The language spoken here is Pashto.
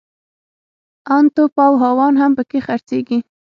ان توپ او هاوان هم پکښې خرڅېږي.